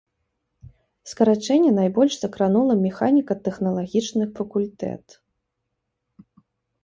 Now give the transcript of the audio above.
Скарачэнне найбольш закранула механіка-тэхналагічны факультэт.